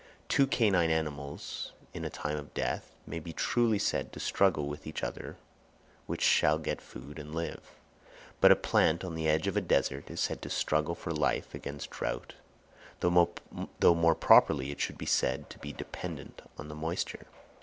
Two canine animals, in a time of dearth, may be truly said to struggle with each other which shall get food and live. But a plant on the edge of a desert is said to struggle for life against the drought, though more properly it should be said to be dependent on the moisture.